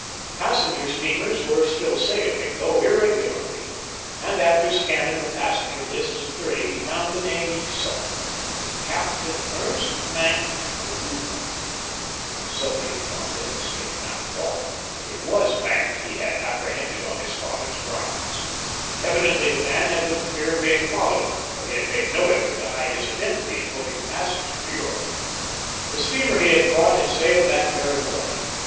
Passenger steamers were still sailing, though irregularly, and after scanning the passenger lists of three he found the name he sought. "Captain Ernst Maenck, Lutha." So he had not been mistaken, after all. It was Maenck he had apprehended on his father's grounds. Evidently the man had little fear of being followed, for he had made no effort to hide his identity in booking passage for Europe. The steamer he had caught had sailed that very morning.